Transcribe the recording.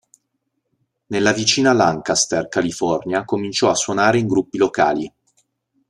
Nella vicina Lancaster, California, cominciò a suonare in gruppi locali.